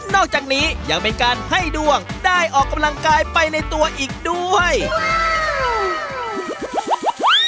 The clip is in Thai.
อกจากนี้ยังเป็นการให้ดวงได้ออกกำลังกายไปในตัวอีกด้วย